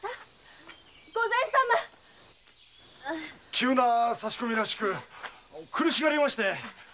急な差し込みらしく苦しがりまして。